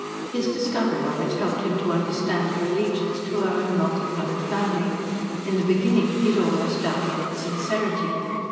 His discovery of it helped him to understand her allegiance to her own multicoloured family: in the beginning he had almost doubted its sincerity.